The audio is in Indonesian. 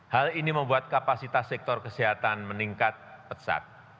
hal ini membuat kapasitas sektor kesehatan meningkat pesat